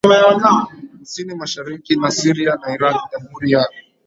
kusini mashariki na Syria na Iraq Jamhuri ya